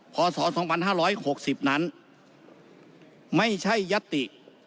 พศสองพันห้าร้อยหกสิบนั้นไม่ใช่ยัตติ